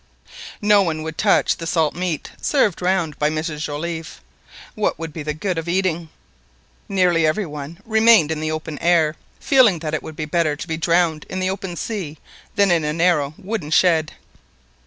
No one would touch the salt meat served round by Mrs Joliffe. What would be the good of eating? Nearly every one remained in the open air, feeling that it would be better to be drowned in the open sea than in a narrow wooden shed.